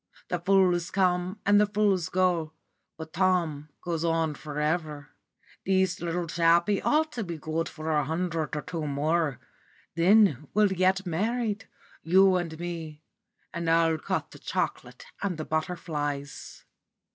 The fools come and the fools go, but Tom goes on for ever. This little chappie ought to be good for a hundred or two more then we'll be married, you and me, and I'll cut the chocolate and the butterflies."